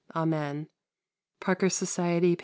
Amen." Parker Society, p.